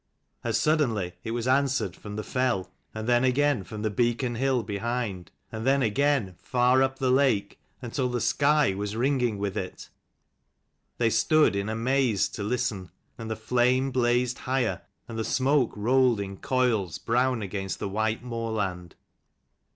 As suddenly it was answered from the fell; and then again from the Beacon hill behind ; and then again far down the valley; and then again far up the lake ; until the sky was ringing with it. They stood in amaze to listen; and the flame blazed higher, and the smoke rolled in coils, brown against the white moorland.